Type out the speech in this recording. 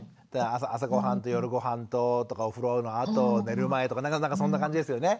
朝ごはんと夜ごはんととかお風呂のあと寝る前とかそんな感じですよね？